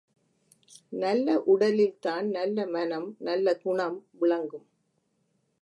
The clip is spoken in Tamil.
நல்ல உடலில்தான் நல்ல மனம், நல்ல குணம் விளங்கும்.